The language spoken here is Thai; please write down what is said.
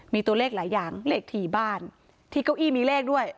มีตัวเลขหลายอย่างเลขถี่บ้านที่เก้าอี้มีเลขด้วย